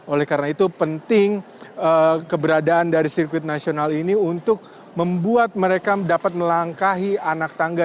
oleh karena itu penting keberadaan dari sirkuit nasional ini untuk membuat mereka dapat melangkahi anak tangga